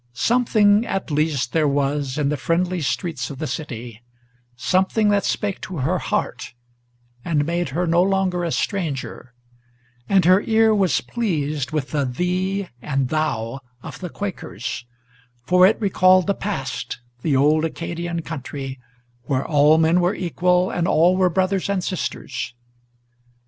Something at least there was in the friendly streets of the city, Something that spake to her heart, and made her no longer a stranger; And her ear was pleased with the Thee and Thou of the Quakers, For it recalled the past, the old Acadian country, Where all men were equal, and all were brothers and sisters.